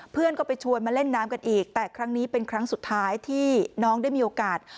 เพื่อนก็ไปชวนมาเล่นน้ำกันอีกแต่ครั้งนี้เป็นครั้งสุดท้ายที่น้องได้มีโอกาส